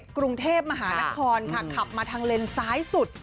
กรุงเทพมหานครค่ะขับมาทางเลนซ้ายสุด